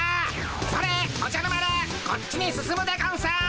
それおじゃる丸こっちに進むでゴンス。